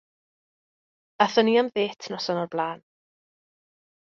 Athon ni am ddêt noson o'r blaen.